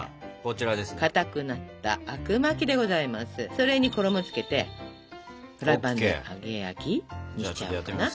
それに衣つけてフライパンで揚げ焼きにしちゃおうかな。